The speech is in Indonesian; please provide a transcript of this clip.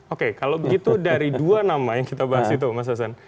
oke kalau begitu dari dua nama yang kita bahas itu mas hasan